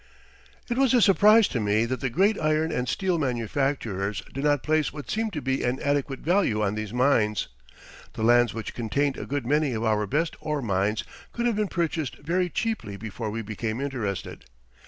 It was a surprise to me that the great iron and steel manufacturers did not place what seemed to be an adequate value on these mines. The lands which contained a good many of our best ore mines could have been purchased very cheaply before we became interested.